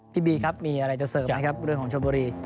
พี่บีครับมีอะไรจะเสริมไหมครับเรื่องของชมบุรี